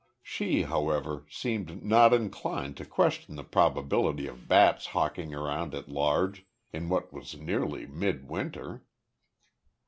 She, however, seemed not inclined to question the probability of bats hawking around at large in what was nearly mid winter!